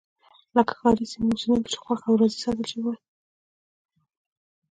لکه ښاري سیمو اوسېدونکي چې خوښ او راضي ساتل شوي وای.